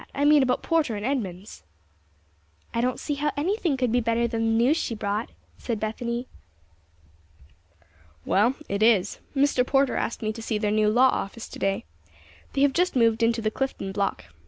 I mean about Porter & Edmunds." "I don't see how anything could be better than the news she brought," said Bethany. "Well, it is. Mr. Porter asked me to see their new law office to day. They have just moved into the Clifton Block.